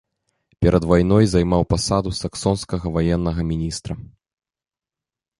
Перад вайной займаў пасаду саксонскага ваеннага міністра.